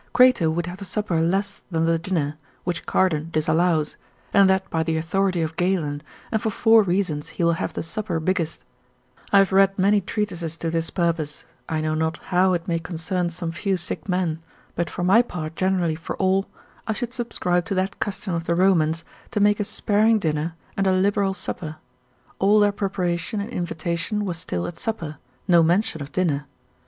Crato would have the supper less than the dinner, which Cardan, Contradict. lib. 1. tract. 5. contradict. 18. disallows, and that by the authority of Galen. 7. art. curat. cap. 6. and for four reasons he will have the supper biggest: I have read many treatises to this purpose, I know not how it may concern some few sick men, but for my part generally for all, I should subscribe to that custom of the Romans, to make a sparing dinner, and a liberal supper; all their preparation and invitation was still at supper, no mention of dinner.